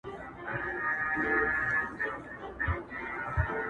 په غوغا به يې په ښار كي ځوان او زوړ كړ،